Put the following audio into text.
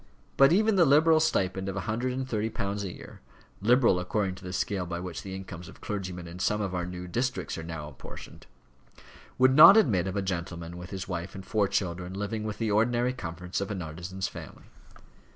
But even the liberal stipend of a hundred and thirty pounds a year liberal according to the scale by which the incomes of clergymen in some of our new districts are now apportioned would not admit of a gentleman with his wife and four children living with the ordinary comforts of an artisan's family.